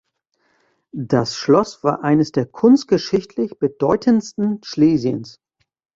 Das Schloss war eines der kunstgeschichtlich bedeutendsten Schlesiens.